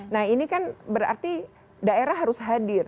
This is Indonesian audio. nah ini kan berarti daerah harus hadir